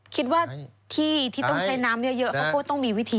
คิดว่าที่ที่ต้องใช้น้ำเยอะเขาก็ต้องมีวิธี